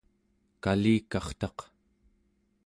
kalikartaq